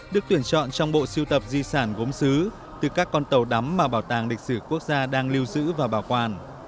được tuyển chọn trong bộ siêu tập di sản gốm xứ từ các con tàu đắm mà bảo tàng lịch sử quốc gia đang lưu giữ và bảo quản